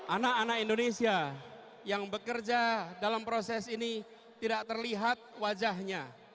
anak anak indonesia yang bekerja dalam proses ini tidak terlihat wajahnya